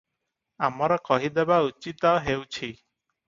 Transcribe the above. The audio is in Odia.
ଆମର କହିଦେବା ଉଚିତ ହେଉଛି ।